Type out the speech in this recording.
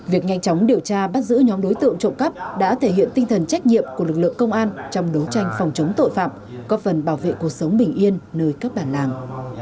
việc nhanh chóng điều tra bắt giữ nhóm đối tượng trộm cắp đã thể hiện tinh thần trách nhiệm của lực lượng công an trong đấu tranh phòng chống tội phạm có phần bảo vệ cuộc sống bình yên nơi các bản làng